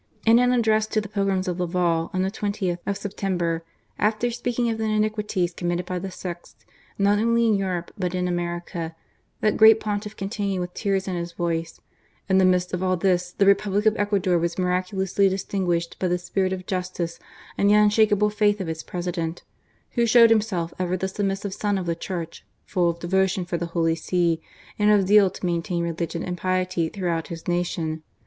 In an address to the pilgrims of Laval on the 20th of September, after speaking of the iniquities committed by the sects, not only in Europe but in America, that great Pontiff continued with tears in his voice: "In the midst of all this, the Republic of Ecuador was miraculously dis tinguished by the spirit of justice and the unshake able faith of its President, who showed himself ever the submissive son of the Church, full of devotion for the Holy See, and of zeal to maintain religion and piety throughout his nation.